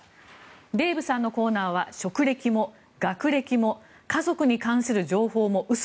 デーブさんのコーナーは職歴も学歴も家族に関する情報も嘘。